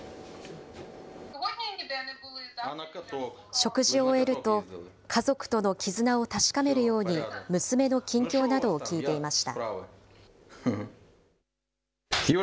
食事を終えると、家族との絆を確かめるように、娘の近況などを聞いていました。